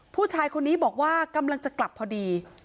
ผู้ชายคนนี้บอกว่ากำลังจะกลับพอดี